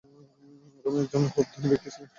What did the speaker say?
রোমে একজন খুব ধনী ব্যক্তি ছিলেন।